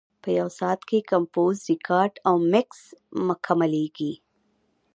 په یو ساعت کې کمپوز، ریکارډ او مکس مکملېږي.